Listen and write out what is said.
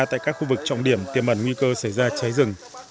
tại các khu vực trọng điểm tiềm ẩn nguy cơ xảy ra cháy rừng